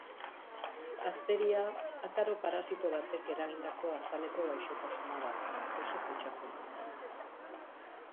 Hazteria akaro parasito batek eragindako azaleko gaixotasuna da, oso kutsakorra.